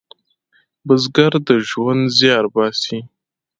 بزګر د ژوند زیار باسي